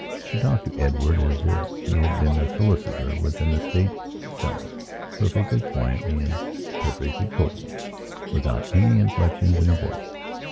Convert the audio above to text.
She talked to Edward as if she had been a solicitor with an estate to sellperfectly quietly and perfectly coldly without any inflections in her voice.